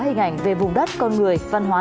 hình ảnh về vùng đất con người văn hóa